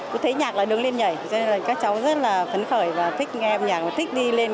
tôi thấy nhạc là đứng lên nhảy cho nên là các cháu rất là phấn khởi và thích nghe âm nhạc thích đi lên